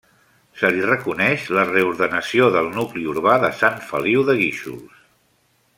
Se li reconeix la reordenació del nucli urbà de Sant Feliu de Guíxols.